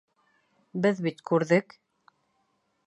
Беҙ бит күрҙек!